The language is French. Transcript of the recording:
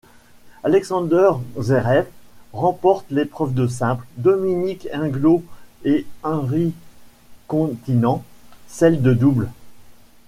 Alexander Zverev remporte l'épreuve de simple, Dominic Inglot et Henri Kontinen celle de double.